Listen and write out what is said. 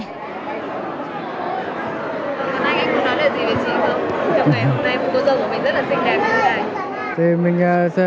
trong ngày hôm nay cô dâu của mình rất là xinh đẹp